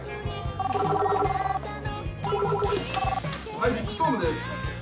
はいビッグストームです。